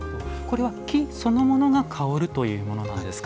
木そのものが香るというものなんですか？